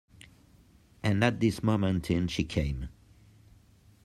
And at this moment in she came.